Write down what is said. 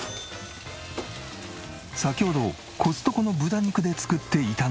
先ほどコストコの豚肉で作っていたのは。